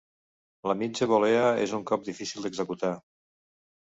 La mitja volea és un cop difícil d'executar.